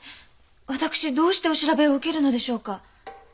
私どうしてお調べを受けるのでしょうか？